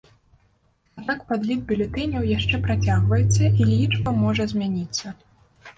Аднак падлік бюлетэняў яшчэ працягваецца і лічба можа змяніцца.